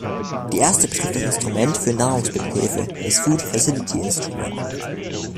Die erste betrifft das Instrument für Nahrungsmittelhilfe, das Food Facility Instrument.